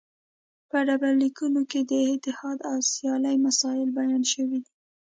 په ډبرلیکونو کې د اتحاد او سیالۍ مسایل بیان شوي دي